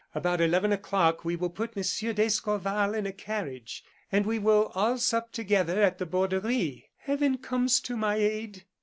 About eleven o'clock we will put Monsieur d'Escorval in a carriage; and we will all sup together at the Borderie." "Heaven comes to my aid!"